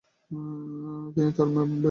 তিনি তাঁর মা এবং ভাইয়ের সাথে দেখা করেন।